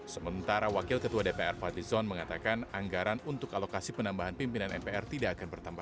sementara wakil ketua dpr fadlizon mengatakan anggaran untuk alokasi penambahan pimpinan mpr tidak akan bertambah